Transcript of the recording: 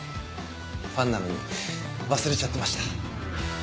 ファンなのに忘れちゃってました。